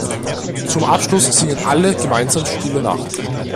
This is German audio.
Zum Abschluss singen alle gemeinsam Stille Nacht.